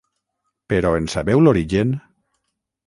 Però, en sabeu l’origen?